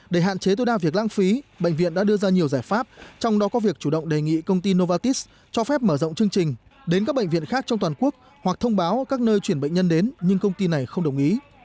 để hạn chế tối đa việc lãng phí bệnh viện đã đưa ra nhiều giải pháp trong đó có việc chủ động đề nghị công ty novatis cho phép mở rộng chương trình đến các bệnh viện khác trong toàn quốc hoặc thông báo các nơi chuyển bệnh nhân đến nhưng công ty này không đồng ý